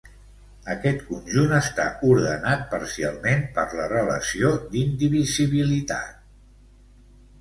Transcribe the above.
Aquest conjunt està ordenat parcialment per la relació d'indivisibilitat.